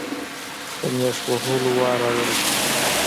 د نېش وهلو وار راورسېد.